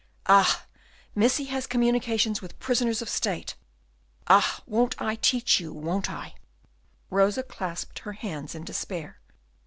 Ah! Missy has communications with prisoners of state. Ah! won't I teach you won't I?" Rosa clasped her hands in despair.